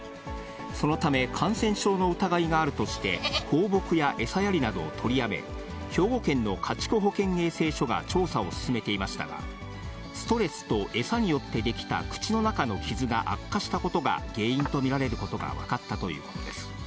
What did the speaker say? そのため、感染症の疑いがあるとして、放牧や餌やりなどを取りやめ、兵庫県の家畜保健衛生所が調査を進めていましたが、ストレスと餌によって出来た口の中の傷が悪化したことが原因と見られることが分かったということです。